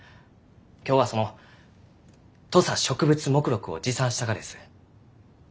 今日はその土佐植物目録を持参したがです。